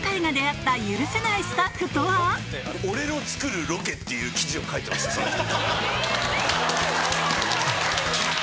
「俺の作るロケ」っていう記事を書いてましたその人。